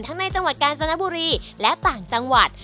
ในจังหวัดกาญจนบุรีและต่างจังหวัด